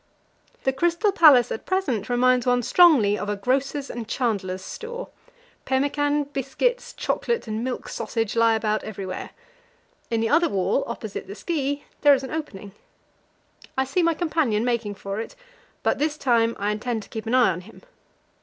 The Crystal Palace at present reminds one strongly of a grocer's and chandler's store pemmican, biscuits, chocolate, and milk sausage, lie about everywhere. In the other wall, opposite the ski, there is an opening. I see my companion making for it, but this time I intend to keep an eye on him.